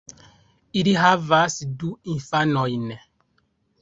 Ili havas du infanojn.